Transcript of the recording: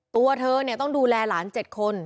ตัวเธอต้องดูแลหลาน๗คน